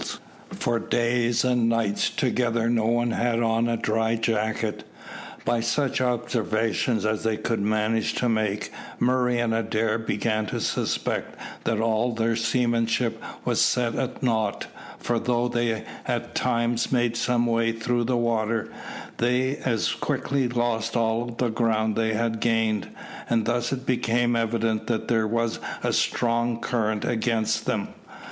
For days and nights together no one had on a dry jacket. By such observations as they could manage to make, Murray and Adair began to suspect that all their seamanship was set at nought; for though they at times made some way through the water, they as quickly lost all the ground they had gained, and thus it became evident that there was a strong current against them.